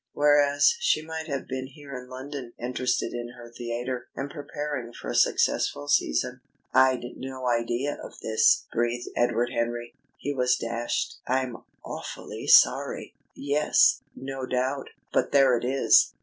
Whereas she might have been here in London, interested in her theatre, and preparing for a successful season." "I'd no idea of this," breathed Edward Henry. He was dashed. "I'm awfully sorry!" "Yes, no doubt. But there it is!"